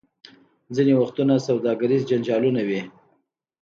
ځینې وختونه سوداګریز جنجالونه وي.